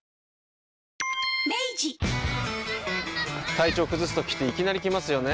体調崩すときっていきなり来ますよね。